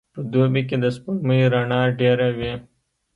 په دوبي کي د سپوږمۍ رڼا ډېره وي.